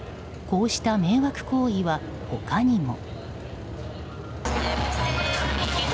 こうした迷惑行為は他にも。